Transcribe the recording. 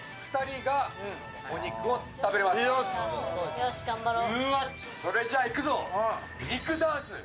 よし、頑張ろう。